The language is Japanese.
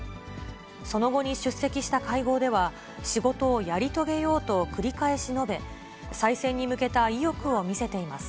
その後に出席した会合では、仕事をやり遂げようと繰り返し述べ、再選に向けた意欲を見せています。